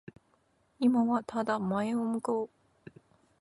今はただ前を向こう。